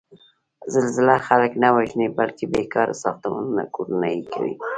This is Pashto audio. زلزله خلک نه وژني، بلکې بېکاره ساختمانونه کورنه یې کوي.